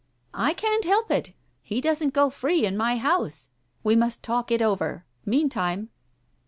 "I can't help it. He doesn't go free in my house! We must talk it over. Meantime.